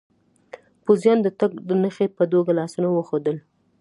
پوځیانو د تګ د نښې په توګه لاسونه و ښورول.